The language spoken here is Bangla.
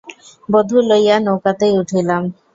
বধূ লইয়া নৌকাতেই উঠিলাম।